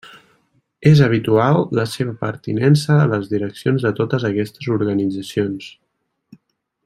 És habitual la seva pertinença a les direccions de totes aquestes organitzacions.